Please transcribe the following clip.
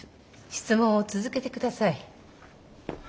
質問を続けてください。